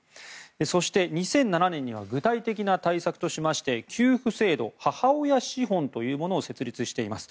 そして、２００７年には具体的な対策としまして給付制度母親資本というものを設立しています。